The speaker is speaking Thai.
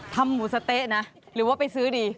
ทำหมูสะเต๊ะนะหรือว่าไปซื้อดี